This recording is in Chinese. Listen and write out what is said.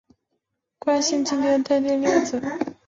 惯性静电约束利用电场来牵引带电粒子。